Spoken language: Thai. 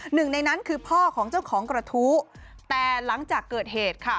หนึ่งในนั้นคือพ่อของเจ้าของกระทู้แต่หลังจากเกิดเหตุค่ะ